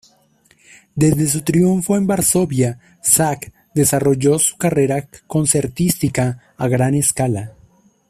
Desde su triunfo en Varsovia, Zak desarrolló su carrera concertística a gran escala.